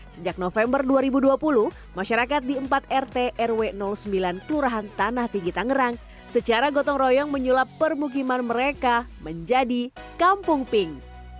sejak november dua ribu dua puluh masyarakat di empat rt rw sembilan kelurahan tanah tinggi tangerang secara gotong royong menyulap permukiman mereka menjadi kampung pink